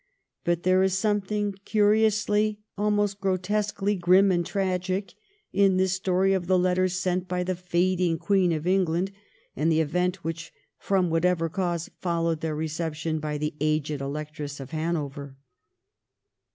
But there is something curiously, almost grotesquely, grim and tragic in this story of the letters sent by the fading Queen of England and the event which, from whatever cause, followed their reception by the aged Electress of Hanover.